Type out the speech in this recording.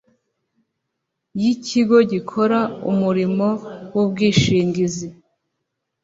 y ikigo gikora umurimo w ubwishingizi